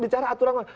bicara aturan main